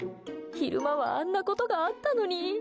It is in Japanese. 昼間はあんなことがあったのに。